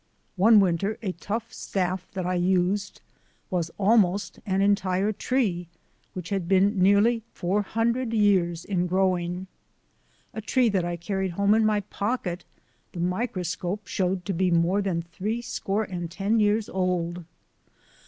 One winter a tough staff that I used was almost an entire tree which had been nearly 400 years in growing. A tree that I carried home in my pocket the micro scope showed to be more than three score and ten years old!